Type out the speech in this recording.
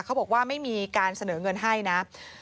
เขาบอกว่าไม่มีการเสนอเงินให้นะ